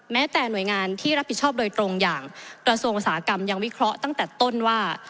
แม้แต่หน่วยงานที่รับผิดชอบโดยตรงอย่างกระทรวงอุตสาหกรรมยังวิเคราะห์ตั้งแต่ต้นว่า